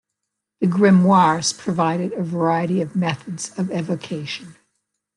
The grimoires provided a variety of methods of evocation.